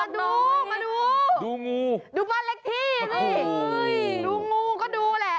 ดูมาดูดูงูดูบ้านเล็กที่นี่ดูงูก็ดูแหละ